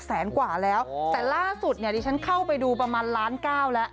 แสนกว่าแล้วแต่ล่าสุดเนี่ยดิฉันเข้าไปดูประมาณล้านเก้าแล้ว